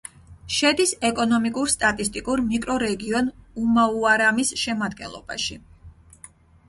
შედის ეკონომიკურ-სტატისტიკურ მიკრორეგიონ უმაუარამის შემადგენლობაში.